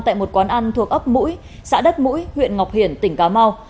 tại một quán ăn thuộc ấp mũi xã đất mũi huyện ngọc hiển tỉnh cà mau